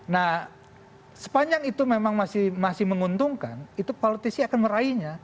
nah sepanjang itu memang masih menguntungkan itu politisi akan meraihnya